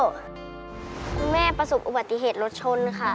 คุณแม่ประสบอุบัติเหตุรถชนค่ะ